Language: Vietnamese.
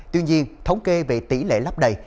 tuy nhiên thống kê về tỷ lệ lắp đầy